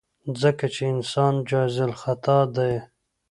ځکه چې انسان جايزالخطا ديه.